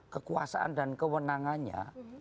kekuasaan dan kewenangannya